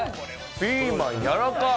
ピーマンやわらかっ！